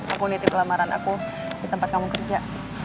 aku nitip lamaran aku di tempat kamu kerja